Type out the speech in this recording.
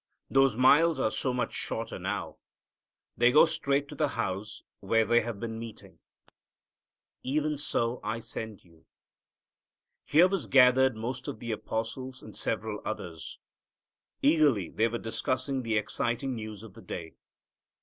Those miles are so much shorter now! They go straight to the house where they have been meeting. "Even So Send I You." Here were gathered most of the apostles and several others. Eagerly they were discussing the exciting news of the day.